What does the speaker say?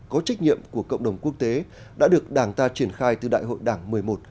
có trách nhiệm của cộng đồng quốc tế đã được đảng ta triển khai từ đại hội đảng một mươi một